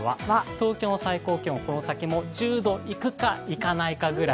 東京の最高気温、この先も１０度いくか、いかないくらい。